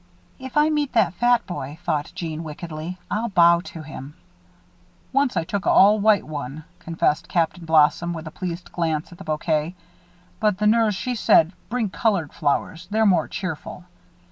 "If I meet that fat boy," thought Jeanne, wickedly, "I'll bow to him." "Once I took a all white one," confessed Captain Blossom, with a pleased glance at the bouquet, "but the nurse, she said 'Bring colored flowers they're more cheerful.'